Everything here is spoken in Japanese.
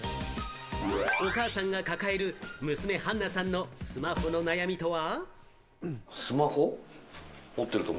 お母さんが抱える娘・はんなさんのスマホの悩みとは？